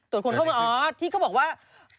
คนเข้ามาอ๋อที่เขาบอกว่า